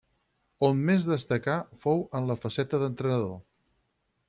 On més destacà fou en la faceta d'entrenador.